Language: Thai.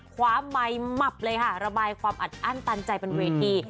ไมค์หมับเลยค่ะระบายความอัดอั้นตันใจเป็นเวที